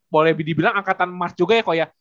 boleh dibilang angkatan emas juga ya kok ya